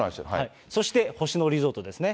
そして星野リゾートですね。